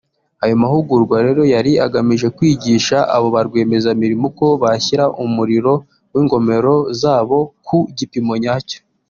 Ayo mahugurwa rero yari agamije kwigisha abo ba rwiyemezamirimo uko bashyira umuriro w’ingomero zabo ku gipimo nyacyo